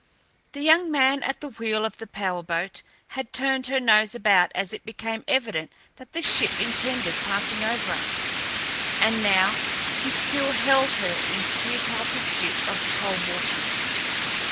The young man at the wheel of the power boat had turned her nose about as it became evident that the ship intended passing over us, and now he still held her in futile pursuit of the Coldwater.